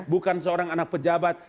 bukan seorang anak pejabat